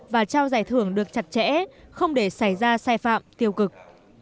và trao giải thưởng được chặt chẽ không để xảy ra sai phạm tiêu cực